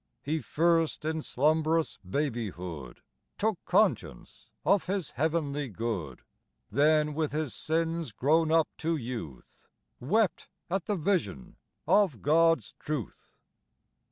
He first in slumbrous babyhood Took conscience of his heavenly good; Then with his sins grown up to youth Wept at the vision of God's truth.